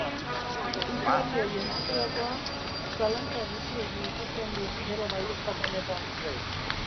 Hizlariei entzuterakoan zalantza gutxiegi ikusten dut bere baieztapenetan.